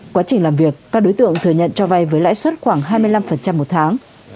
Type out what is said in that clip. quá trình làm việc các đối tượng thừa nhận cho vay với lãi suất khoảng hai mươi năm một tháng